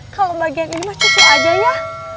kalau bagian ini mah cuci aja ya